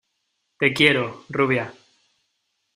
te quiero, rubia.